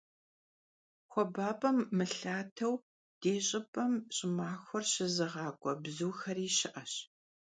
Xuabap'em mılhateu di ş'ıp'em ş'ımaxuer şızığak'ue bzuxeri şı'eş.